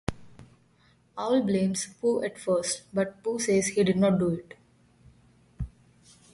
Owl blames Pooh at first but Pooh says he did not do it.